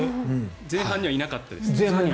前半にはいなかったです。